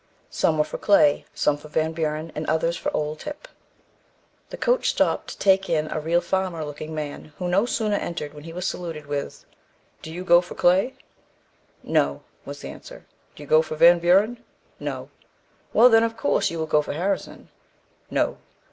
Some were for Clay, some for Van Buren, and others for "Old Tip." The coach stopped to take in a real farmer looking man, who no sooner entered than he was saluted with "Do you go for Clay?" "No," was the answer. "Do you go for Van Buren?" "No." "Well, then, of course you will go for Harrison." "No."